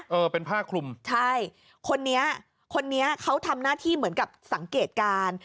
เออเป็นผ้าคลุมใช่คนนี้คนนี้เขาทำหน้าที่เหมือนกับสังเกตการณ์